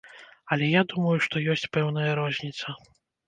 Але я думаю, што ёсць пэўная розніца.